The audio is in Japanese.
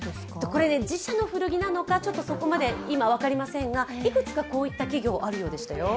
これね、自社の古着なのか、そこまで今、分かりませんがいくつかこういった企業はあるようでしたよ。